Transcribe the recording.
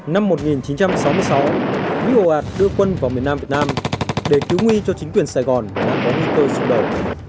năm một nghìn chín trăm sáu mươi sáu mỹ hồ ạt đưa quân vào miền nam việt nam để cứu nguy cho chính quyền sài gòn đã có đi cơ xuống đầu